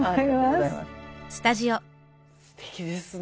すてきですね。